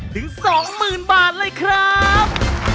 ถึง๒๐๐๐บาทเลยครับ